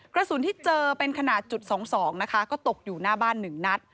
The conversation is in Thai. กระสุนที่เจอเป็นขนาดจุด๒๒นะคะก็ตกอยู่หน้าบ้าน๑นัด